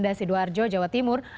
di sidoarjo jawa timur